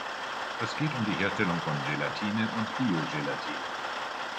Es geht um die Herstellung von Gelatine und Bio-Gelatine.